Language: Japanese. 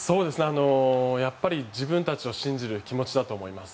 自分たちを信じる気持ちだと思います。